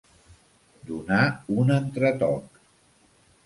Donar un entretoc.